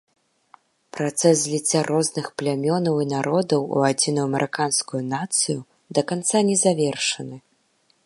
Працэс зліцця розных плямёнаў і народаў у адзіную мараканскую нацыю да канца не завершаны.